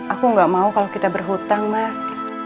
aku gak mau kalau kita berhutang mas